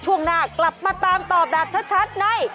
ช่วงหน้ากลับมาตามต่อแบบชัดใน